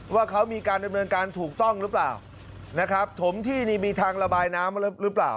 ว่าเขามีการดำเนินการถูกต้องหรือเปล่านะครับถมที่นี่มีทางระบายน้ำหรือเปล่า